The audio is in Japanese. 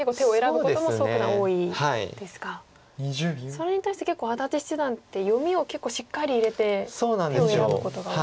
それに対して結構安達七段って読みを結構しっかり入れて手を選ぶことが多いですよね。